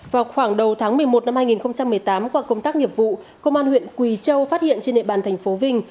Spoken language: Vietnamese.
vào khoảng đầu tháng một mươi một năm hai nghìn một mươi tám qua công tác nghiệp vụ công an huyện quỳ châu phát hiện trên địa bàn thành phố vinh